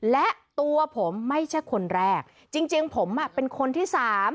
และตัวผมไม่ใช่คนแรกจริงผมเป็นคนที่๓